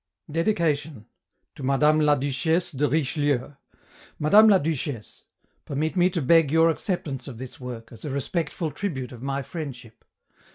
DEDICATION To Madame la Duchesse de Richelieu MADAME LA DUCHESSE, Permit me to beg your acceptance of this work, as a respectful tribute of my friendship.